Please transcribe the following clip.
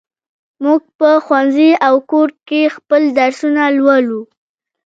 موږ په ښوونځي او کور کې خپل درسونه لولو.